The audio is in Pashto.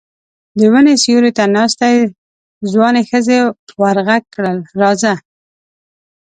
د وني سيوري ته ناستې ځوانې ښځې ور غږ کړل: راځه!